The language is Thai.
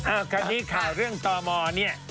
อ่าวคราวนี้ข่าวเรื่องต่อมอเนี่ย